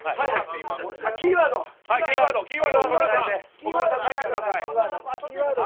キーワードを岡村さん書いてください。